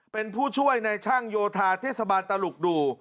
เป็นผู้ช่วยในช่างโยธาเทศบาลตลุกดู